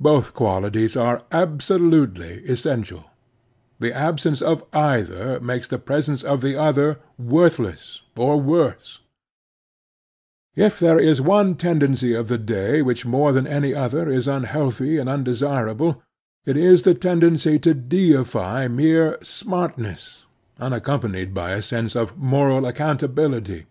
Both qualities are absolutely essential. The absence of either makes the presence of the other worth less or worse. Latitude and Longitude 43 If there is one tendency of the day which more than any other is unhealthy and tmdesirable, it is the tendency to deify mere "smartness," unac companied by a sense of moral accotmtability.